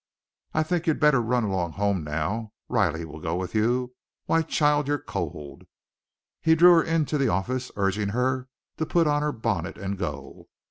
"I think you'd better run along home now Riley will go with you. Why, child, you're cold!" He drew her into the office, urging her to put on her bonnet and go.